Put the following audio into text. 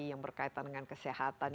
yang berkaitan dengan kesehatan